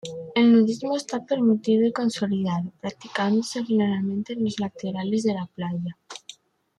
El nudismo está permitido y consolidado, practicándose generalmente en los laterales de la playa.